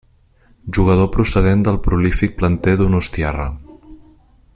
Jugador procedent del prolífic planter donostiarra.